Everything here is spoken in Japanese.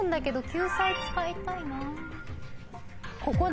救済使いたいな。